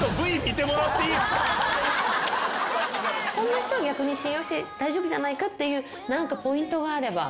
こんな人は逆に信用して大丈夫じゃないかっていうポイントがあれば。